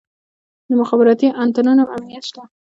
د مخابراتي انتنونو امنیت شته؟